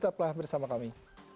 tepatlah bersama kami